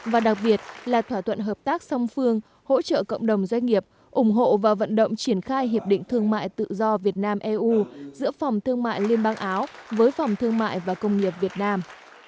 và đặc biệt là thỏa thuận hợp tác song phương hỗ trợ cộng đồng doanh nghiệp ủng hộ và vận động triển khai hiệp định thương mại tự do việt nam eu giữa phòng thương mại liên bang áo với phòng thương mại và công nghiệp việt nam